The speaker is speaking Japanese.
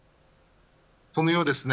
そのようですね。